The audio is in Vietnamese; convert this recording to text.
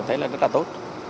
thấy là rất là tốt